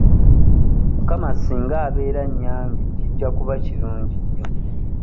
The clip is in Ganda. Mukama singa abeera annyambye kijja kuba kirungi nnyo.